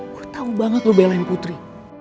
wah tau banget lo belain putri